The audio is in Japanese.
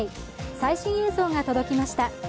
最新映像が届きました。